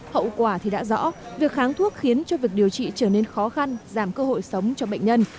hậu quả thì đã rõ việc kháng thuốc khiến cho việc điều trị trở nên khó khăn giảm cơ hội sống cho bệnh nhân